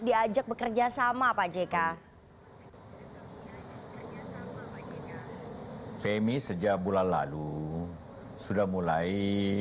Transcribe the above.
diajak bekerja sama pak jk femi sejak bulan lalu sudah mulai